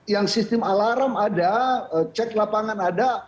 yang sistem alarm ada cek lapangan ada